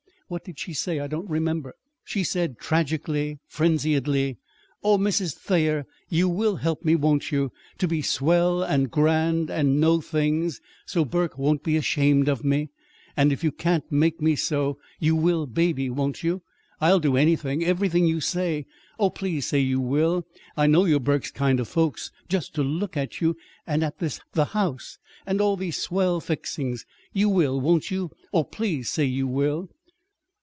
"What did she say? I don't remember." "She said, tragically, frenziedly: 'Oh, Mrs. Thayer, you will help me, won't you? to be swell and grand and know things, so's Burke won't be ashamed of me. And if you can't make me so, you will Baby, won't you? I'll do anything everything you say. Oh, please say you will. I know you're Burke's kind of folks, just to look at you, and at this the house, and all these swell fixings! You will, won't you? Oh, please say you will!'"